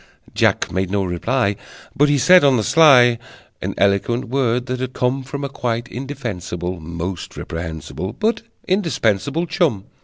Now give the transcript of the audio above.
Jack made no reply, But he said on the sly An eloquent word, that had come From a quite indefensible, Most reprehensible, But indispensable Chum.